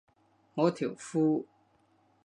我條褲